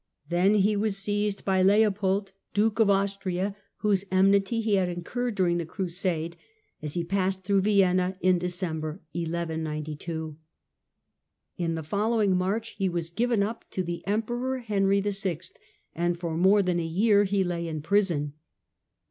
Then he was ""'*' seized by Leopold, Duke of Austria, whose enmity he had incurred during the Crusade, as he passed through Vienna in December, 1192. In the following March he was given up to the Emperor Henry VI., and for more than a year he lay in prison.